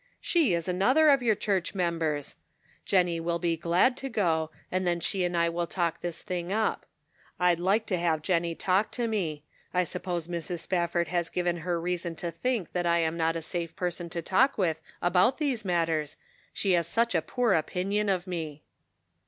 She is another of your church members ! Jen nie will be glad to go, and then she and I will talk this thing up. I'd like to have Jennie talk to me. I suppose Mrs. Spafford has given her reason to think that I am not a safe person to talk with about these matters, she has such a poor opinion of me."